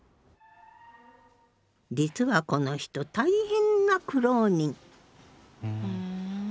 実はこの人大変な苦労人。